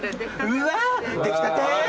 うわ出来たて？